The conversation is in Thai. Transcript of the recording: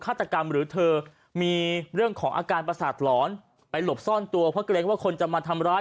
ฆาตกรรมหรือเธอมีเรื่องของอาการประสาทหลอนไปหลบซ่อนตัวเพราะเกรงว่าคนจะมาทำร้าย